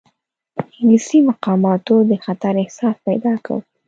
انګلیسي مقاماتو د خطر احساس پیدا کړ.